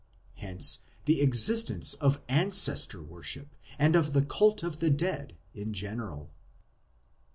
Hence the existence of Ancestor worship, and of the Cult of the Dead in general.